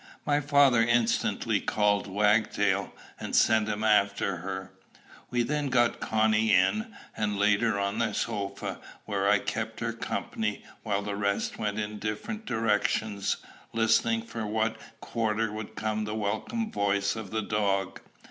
My father instantly called Wagtail, and sent him after her. We then got Connie in, and laid her on the sofa, where I kept her company while the rest went in different directions, listening from what quarter would come the welcome voice of the dog.